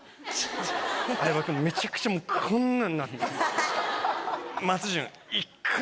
めちゃくちゃもうこんなになって。